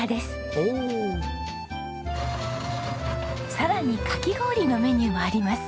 さらにかき氷のメニューもあります。